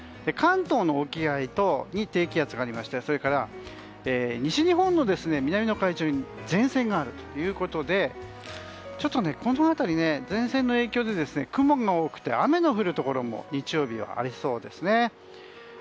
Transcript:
関東の沖合に低気圧がありましてそれから西日本の南の海上に前線があるということでこの辺りは前線の影響で雲が多くて雨が降るところも日曜日はありそうですね。